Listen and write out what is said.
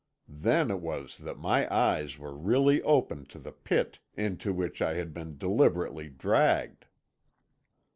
Then it was that my eyes were really opened to the pit into which I had been deliberately dragged.'